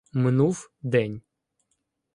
Минув день.